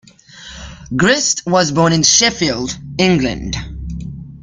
Grist was born in Sheffield, England.